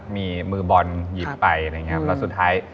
มีมือบอลหยิบไปแล้วสุดท้าย